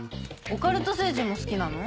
オカルト星人も好きなの？